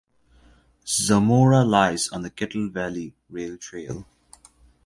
Zamora lies on the Kettle Valley Rail Trail.